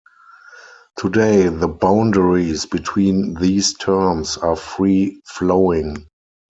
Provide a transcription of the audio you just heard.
Today the boundaries between these terms are free flowing.